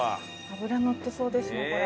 脂のってそうですねこれ。